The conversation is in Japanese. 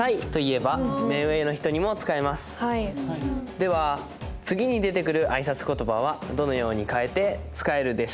では次に出てくる挨拶言葉はどのように変えて使えるでしょう？